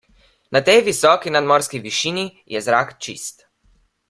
Na tej visoki nadmorski višini je zrak čist.